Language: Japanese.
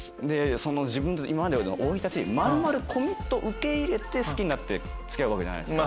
今までの生い立ち丸々込みっと受け入れて好きになって付き合うわけじゃないですか。